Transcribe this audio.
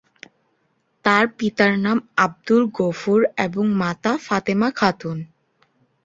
তার পিতার নাম আব্দুল গফুর এবং মাতা ফাতেমা খাতুন।